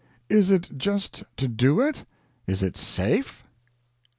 Is it just to do it? Is it safe?